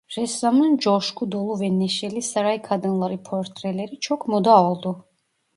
Ressamın coşku dolu ve neşeli saray kadınları portreleri çok moda oldu.